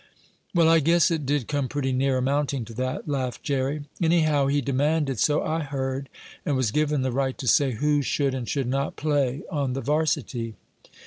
"Well, I guess it did come pretty near amounting to that," laughed Jerry. "Anyhow, he demanded, so I heard, and was given the right to say who should and should not play on the varsity.